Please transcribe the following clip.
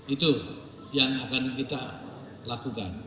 itu yang akan kita lakukan